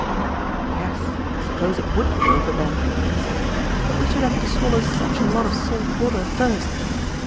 " Yes, I suppose it would be over then "; he said ;" but we should have to swallow such a lot of salt water first